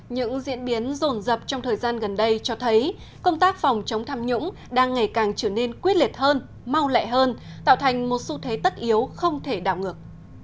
những diễn biến rồn rập trong thời gian gần đây cho thấy công tác phòng chống tham nhũng đang ngày càng trở nên quyết liệt hơn mau lẻ hơn tạo thành một xu thế tất yếu không thể đảo ngược